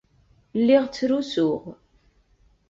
Lliɣ ttrusuɣ.